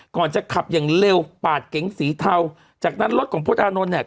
ก่อนจะขับอย่างเร็วปาดเก๋งสีเทาจากนั้นรถของพลตอานนท์เนี่ย